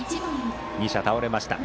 ２者倒れました。